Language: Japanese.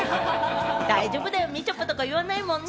大丈夫だよ、みちょぱとか言わないもんね。